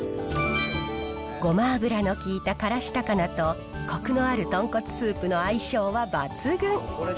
ごま油の効いた辛子高菜とコクのある豚骨スープの相性は抜群。